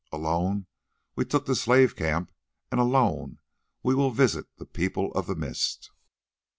Alone we took the slave camp and alone we will visit the People of the Mist."